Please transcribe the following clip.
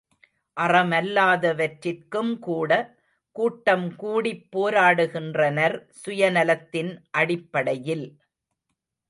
அறமல்லாதவற்றிற்கும்கூட, கூட்டம் கூடி ப் போராடுகின்றனர், சுயநலத்தின் அடிப்படையில்!